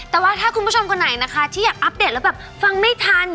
แต่ว่าถ้าคุณผู้ชมคนไหนนะคะที่อยากอัปเดตแล้วแบบฟังไม่ทัน